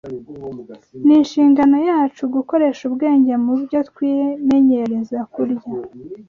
Ni inshingano yacu gukoresha ubwenge mu byo twimenyereza kurya